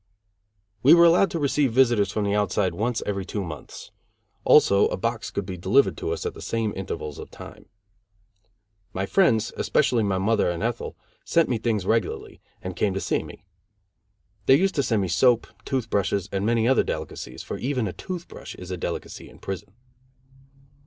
U. We were allowed to receive visitors from the outside once every two months; also a box could be delivered to us at the same intervals of time. My friends, especially my mother and Ethel, sent me things regularly, and came to see me. They used to send me soap, tooth brushes and many other delicacies, for even a tooth brush is a delicacy in prison.